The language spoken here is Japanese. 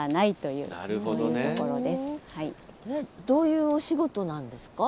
どういうお仕事なんですか？